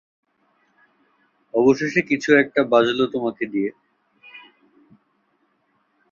অবশেষে কিছু একটা বাজলো তোমাকে দিয়ে।